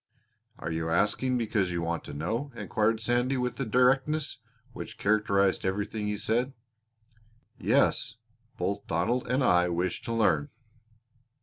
"Are you asking because you want to know?" inquired Sandy with the directness which characterized everything he said. "Yes, Both Donald and I wish to learn."